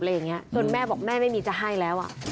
เมื่อแม่บอกแม่ไม่มีจะให้แล้ว